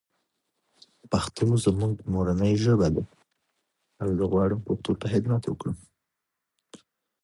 هغه خپلې خبرې په روښانه ډول وکړې.